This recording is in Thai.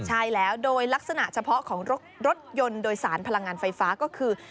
ใช่แล้วโดยลักษณะเฉพาะของรถยนต์โดยสารพลังงานไฟฟ้าก็คือ